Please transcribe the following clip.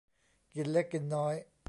กินเล็กกินน้อย